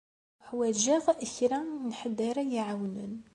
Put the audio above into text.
Uḥwaǧeɣ kra n ḥedd ara yi-iɛawnen.